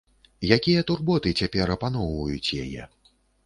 Якія турботы цяпер апаноўваюць яе?